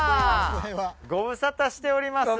ご無沙汰しております